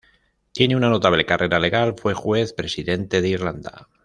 Tiene una notable carrera legal, fue Juez Presidente de Irlanda.